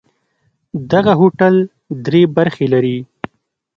دغه هوټل درې برخې لري.